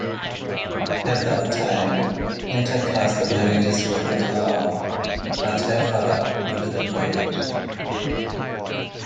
At that time, Inter-caste marriages were not allowed, but her father approved the marriage.